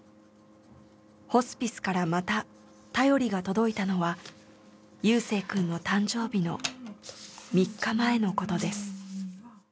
ホスピスからまた便りが届いたのは夕青くんの誕生日の３日前のことです。